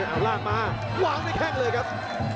เอาล่างมาว้างไม่แข็งเลยครับ